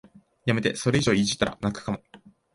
やめて、それ以上いじったら泣くかも